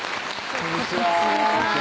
こんにちは